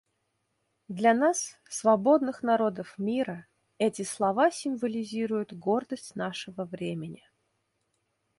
Для нас, свободных народов мира, эти слова символизируют гордость нашего времени.